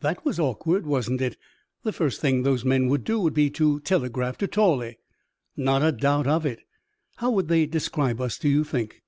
"That was awkward, wasn't it? The first thing those men would do would be to telegraph to Tawley." "Not a doubt of it. How would they describe us, do you think?"